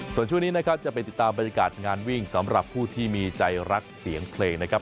ส่วนช่วงนี้นะครับจะไปติดตามบรรยากาศงานวิ่งสำหรับผู้ที่มีใจรักเสียงเพลงนะครับ